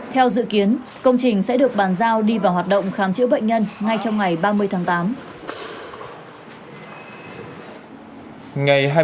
theo dự kiến công trình sẽ được bàn giao đi vào hoạt động khám chữa bệnh nhân ngay trong ngày ba mươi tháng tám